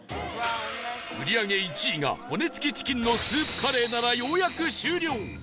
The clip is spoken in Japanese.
売り上げ１位が骨つきチキンのスープカレーならようやく終了